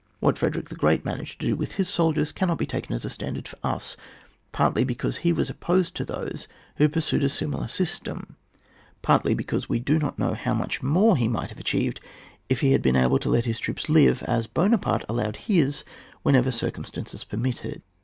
What Frederick the Great managed to do with his soldiers cannot be taken as a standard for us, partly because he was opposed to those who pursued a similar system, partly because we do not know how much more he might have effected if he had been able to let his troops live as Buonaparte allowed his whenever cir cumstances permitted.